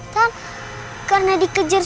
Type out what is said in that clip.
kalau ga bisa sih di dayaan